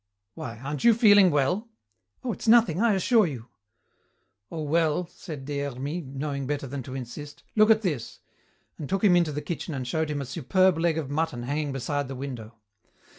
"Why, aren't you feeling well?" "Oh, it's nothing, I assure you." "Oh, well," said Des Hermies, knowing better than to insist. "Look at this," and took him into the kitchen and showed him a superb leg of mutton hanging beside the window.